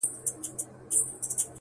دا له زمان سره جنګیږي ونه!!